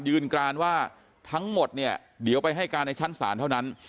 การว่าทั้งหมดเนี่ยเดี๋ยวไปให้การในชั้นศาลเท่านั้น